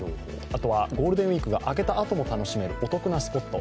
あとはゴールデンウイークが明けたあとにも楽しめるスポット。